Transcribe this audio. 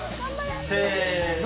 せの。